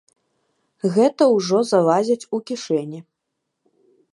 Гэта ўжо залазяць у кішэні.